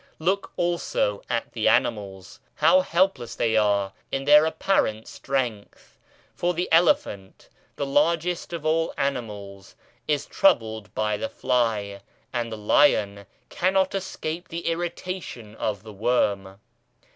Look also at the animals, how helpless they are in their i6 THE GREAT PHYSICIAN apparent strength I For the elephant, the largest of all animals, is troubled by the fly, and the lion cannot escape the irritation of the worm.